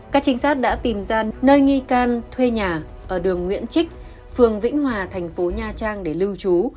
các trinh sát đã tìm ra nơi nghi can thuê nhà ở đường nguyễn trích phường vĩnh hòa thành phố nha trang để lưu trú